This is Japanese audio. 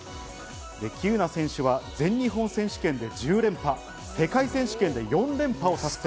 喜友名選手は全日本選手権で１０連覇、世界選手権で４連覇を達成。